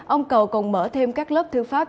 ông cầu còn mở thêm các lớp thư pháp